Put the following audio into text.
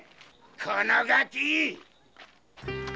このガキ！